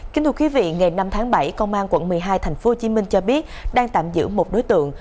kính thưa quý vị ngày năm tháng bảy công an quận một mươi hai tp hcm cho biết đang tạm giữ một đối tượng